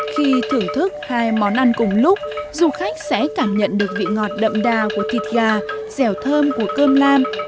khi thưởng thức hai món ăn cùng lúc du khách sẽ cảm nhận được vị ngọt đậm đà của thịt gà dẻo thơm của cơm nam